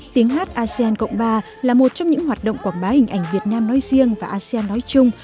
tiếng hát asean cộng ba là một trong những hoạt động quảng bá hình ảnh việt nam nói riêng và asean nói chung